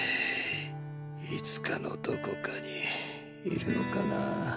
いつかのどこかにいるのかな。